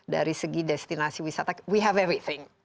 dari segi destinasi wisata kita punya segalanya